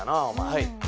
はい。